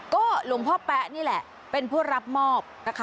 ก็หลวงพ่อแป๊ะนี่แหละเป็นผู้รับมอบนะคะ